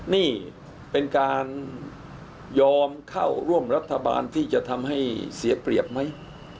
นี่เป็นการยอมเข้าร่วมรัฐบาลที่จะทำให้เสียเปรียบไหม